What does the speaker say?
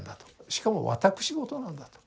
しかも私事なんだと。